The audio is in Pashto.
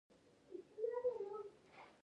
له داوود خان سره ودرېدل.